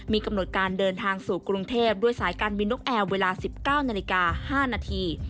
มีกำหนดการเดินทางสู่กรุงเทพด้วยสายการบินนกแอร์เวลา๑๙นาฬิกา๕นาที